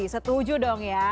setuju dong ya